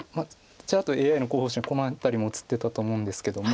ちらっとＡＩの候補手にこの辺りも映ってたと思うんですけども。